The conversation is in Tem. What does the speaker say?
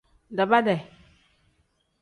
Daabaade.